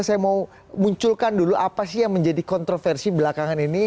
saya mau munculkan dulu apa sih yang menjadi kontroversi belakangan ini